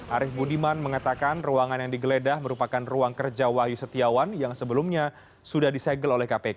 arief budiman mengatakan ruangan yang digeledah merupakan ruang kerja wahyu setiawan yang sebelumnya sudah disegel oleh kpk